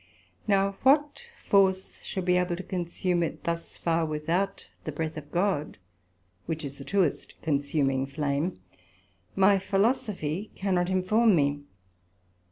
Now what force should be able to consume it thus far, without the breath of God, which is the truest consuming flame, my Philosophy cannot inform me.